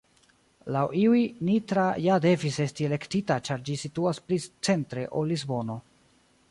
Laŭ iuj, Nitra ja devis esti elektita ĉar ĝi situas pli 'centre' ol Lisbono.